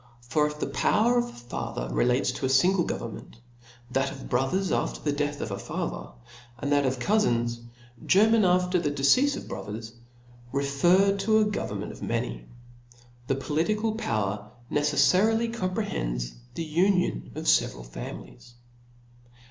For if the power of a father be relative to a fingle governmi^rit, that of brothers after the death of a father, and that of coufm germans af ter the deceafe of brothers, refer to a government of many. The political power neceflarily compre^ hends the union of fevcral families.